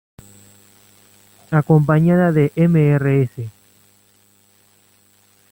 Acompañada de Mrs.